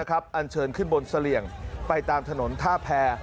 อันเชิญขึ้นบนเสลี่ยงไปตามถนนท่าแพร